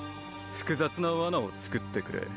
複雑なワナを作ってくれ